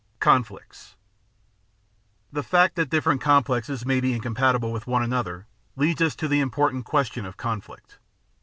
Conflicts The fact that different complexes may be incompatible with one another leads us to the important question of conflict.